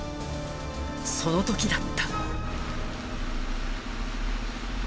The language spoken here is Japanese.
そのときだった。